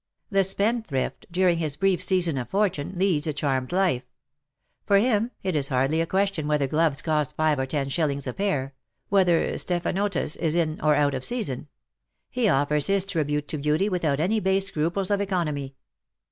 The spendthrift, during his brief season of fortune, leads a charmed life. For him it is hardly a ques« tion whether gloves cost five or ten shillings a pair — whether stephanotis is in or out of season. He offers his tribute to beauty Avithout any base scruples of economy.